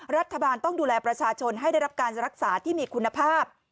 รัฐบาลต้องดูแลประชาชนให้ได้รับการรักษาที่มีคุณภาพ